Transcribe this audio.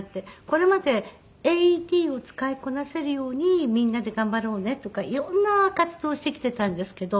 これまでＡＥＤを使いこなせるようにみんなで頑張ろうねとか色んな活動をしてきていたんですけど。